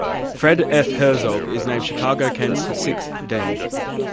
Fred F. Herzog is named Chicago-Kent's sixth dean.